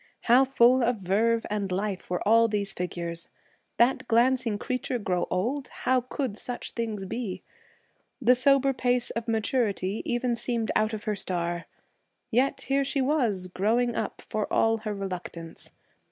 How full of verve and life were all these figures! That glancing creature grow old? How could such things be! The sober pace of maturity even seemed out of her star. Yet here she was, growing up, for all her reluctance.